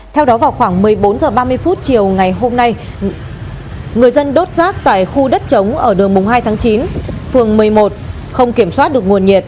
theo đó vào khoảng một mươi bốn h ba mươi chiều ngày hôm nay người dân đốt rác tại khu đất chống ở đường bùng hai tháng chín phường một mươi một không kiểm soát được nguồn nhiệt